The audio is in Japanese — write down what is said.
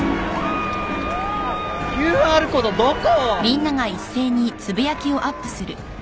ＱＲコードどこ？